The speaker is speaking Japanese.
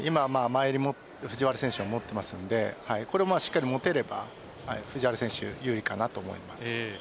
前襟を藤原選手は持っていますのでこれを持てれば藤原選手、有利かなと思います。